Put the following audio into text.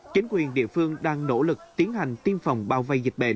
chính quyền địa phương đang nỗ lực tiến hành tiêm phòng bao vây dịch bệnh